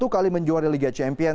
satu kali menjuarai liga champion